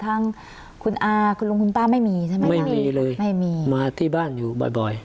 ทางคุณอาคุณลุงคุณป้าไม่มีใช่ไหมไม่มีเลยไม่มีมาที่บ้านอยู่บ่อยบ่อย